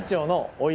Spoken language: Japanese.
おい。